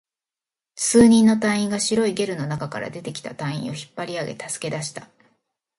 数人の隊員が白いゲルの中から出てきた隊員を引っ張り上げ、助け出した